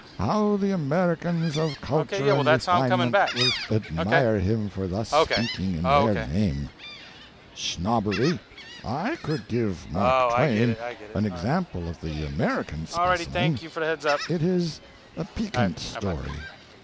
How the Americans of culture and refinement will admire him for thus speaking in their name! Snobbery.... I could give Mark Twain an example of the American specimen. It is a piquant story.